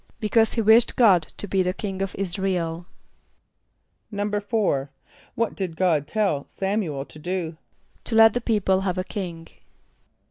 =Because he wished God to be the king of [)I][s+]´ra el.= =4.= What did God tell S[)a]m´u el to do? =To let the people have a king.